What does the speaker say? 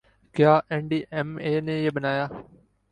کیا N D M A نے یہ بنایا